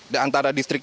dan antara distrik